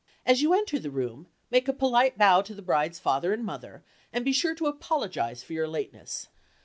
As you enter the room, make a polite bow to the bride's father and mother, and be sure to apologize for your lateness.